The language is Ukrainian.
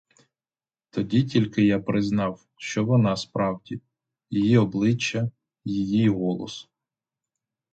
Тоді тільки я признав, що вона справді, її обличчя, її й голос.